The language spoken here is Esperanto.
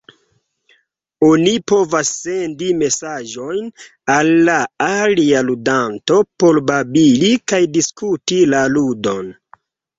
Oni povas sendi mesaĝojn al la alia ludanto por babili kaj diskuti la ludon.